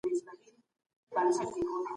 تاسو په هلمند کي کوم نوی پرمختګ لیدلی؟